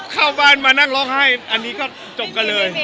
เข้าบ้านมานั่งร้องไห้อันนี้ก็จบกันเลย